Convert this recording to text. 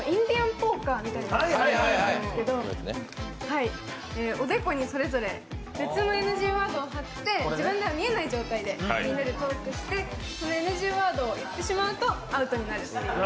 ポーカーみたいな感じなんですけどおでこにそれぞれ別のＮＧワードを貼って自分では見えない状態で、みんなでトークして、ＮＧワードを言ってしまうとアウトになる。